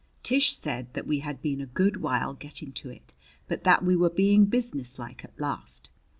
Tish said that we had been a good while getting to it, but that we were being businesslike at last.